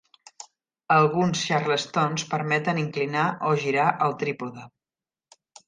Alguns xarlestons permeten inclinar o girar el trípode.